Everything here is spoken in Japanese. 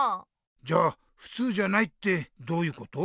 じゃ「ふつうじゃない」ってどういうこと？